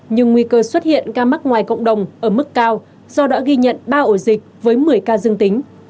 nhưng nguy cơ xuất hiện ca mắc ngoài cộng đồng ở mức cao do đã ghi nhận ba ổ dịch với một mươi ca dương tính